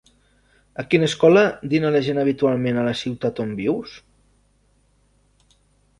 A quina escola dina la gent habitualment a la ciutat on vius?